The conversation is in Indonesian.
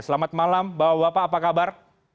selamat malam bapak bapak apa kabar